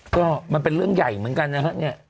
ก็มันเป็นเรื่องใหญ่เหมือนกันนะฮะเนี่ย